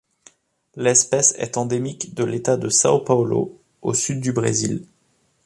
L'espèce est endémique de l'État de São Paulo au sud du Brésil.